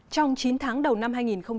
trong chín tháng đầu năm hai nghìn một mươi chín